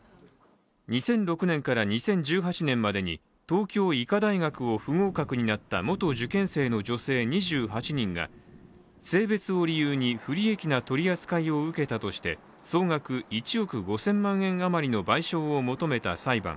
２００６年から２０１８年までに東京医科大学を不合格になった元受験生の女性２８人が、性別を理由に不利益な取り扱いを受けたとして総額１億５０００万円あまりの賠償を求めた裁判。